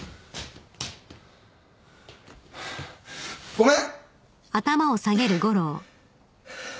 ・ごめん！